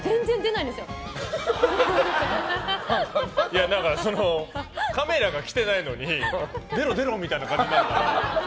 いや、カメラが来てないのに出ろ出ろみたいな感じになるから。